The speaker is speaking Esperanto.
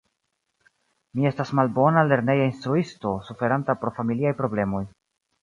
Mi estas malbona lerneja instruisto, suferanta pro familiaj problemoj.